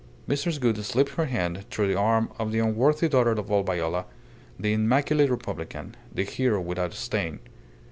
Mrs. Gould slipped her hand through the arm of the unworthy daughter of old Viola, the immaculate republican, the hero without a stain.